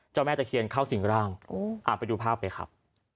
เจ้าแม่จักรเคียนเข้าสิงหร่างอ่าไปดูภาพเลยครับ